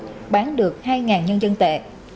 hải bán được hai nhân dân tệ